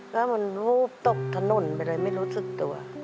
แล้วมันวูบตกถนนไปเลยไม่รู้สึกตัว